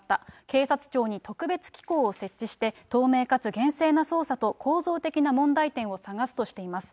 警察庁に特別機構を設置して、透明かつ厳正な捜査と構造的な問題点を探すとしています。